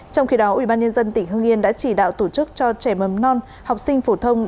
trong khi đó ubnd tỉnh hương yên đã chỉ đạo tổ chức cho trẻ mầm non học sinh phổ thông